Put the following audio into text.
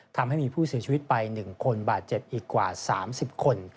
ทำให้มีผู้เสียชีวิตไป๑คนบาดเจ็บอีกกว่า๓๐คน